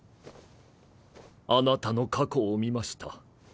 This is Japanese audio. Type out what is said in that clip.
あなたの過去を見ました。